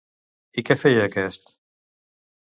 I què feia aquest?